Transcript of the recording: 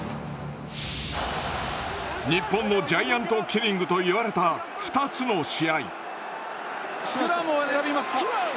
日本のジャイアントキリングといわれた２つの試合。